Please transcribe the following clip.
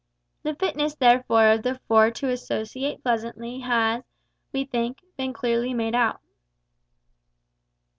The fitness therefore of the four to associate pleasantly has, we think, been clearly made out.